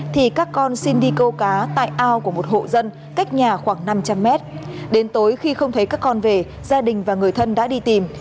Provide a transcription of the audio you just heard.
thì các con xin đi câu cá tại ao của một hộ dân cách nhà khoảng năm trăm linh mét đến tối khi không thấy các con về gia đình và người thân đã đi tìm